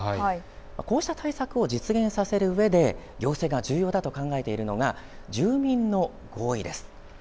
こうした対策を実現させるうえで行政が重要だと考えているのが住民の合意です。